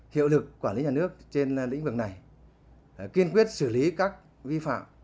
hiệu lực quản lý nhà nước trên lĩnh vực này kiên quyết xử lý các vi phạm